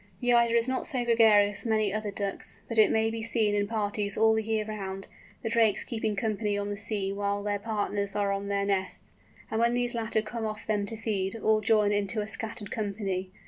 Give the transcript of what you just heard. The Eider is not so gregarious as many other Ducks, but it may be seen in parties all the year round, the drakes keeping company on the sea while their partners are on their nests, and when these latter come off them to feed, all join into a scattered company.